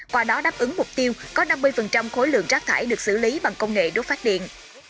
qua đó đáp ứng mục tiêu có năm mươi khối lượng rác thải được xử lý bằng công nghệ đốt phát điện